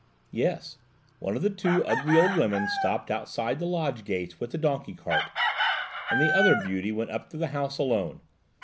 "Yes; one of the two ugly old women stopped outside the lodge gates with the donkey cart, and the other beauty went up to the house alone.